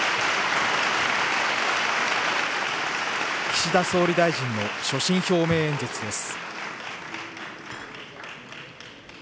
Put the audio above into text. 岸田総理大臣の所信表明演説です。